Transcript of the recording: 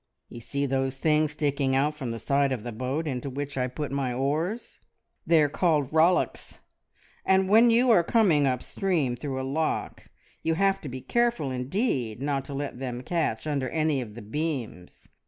"You see those things sticking out from the side of the boat into which I put my oars? They are called `rollocks,' and when you are coming up stream through a lock you have to be careful indeed not to let them catch under any of the beams.